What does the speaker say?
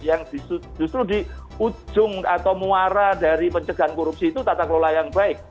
yang justru di ujung atau muara dari pencegahan korupsi itu tata kelola yang baik